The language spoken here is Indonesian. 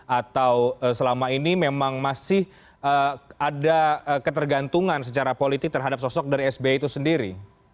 atau selama ini memang masih ada ketergantungan secara politik terhadap sosok dari sbi itu sendiri